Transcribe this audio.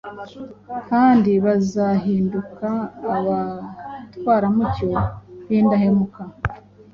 kandi bazahinduka abatwaramucyo b’indahemuka.